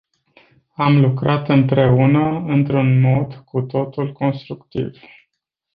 Am lucrat împreună într-un mod cu totul constructiv.